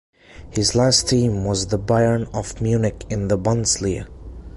His last team was the Bayern of Múnich in the Bundesliga.